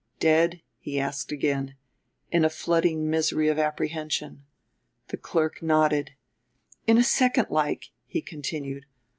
"Dead?" he asked again, in a flooding misery of apprehension. The clerk nodded: "In a second, like," he continued.